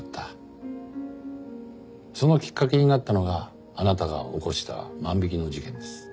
そのきっかけになったのがあなたが起こした万引きの事件です。